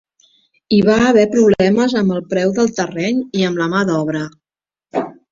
Hi va haver problemes amb el preu del terreny i amb la mà d'obra.